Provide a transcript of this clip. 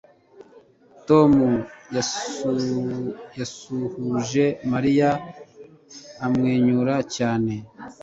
Tom yasuhuje Mariya amwenyura cyane